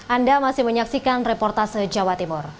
anda masih menyaksikan reportase jawa timur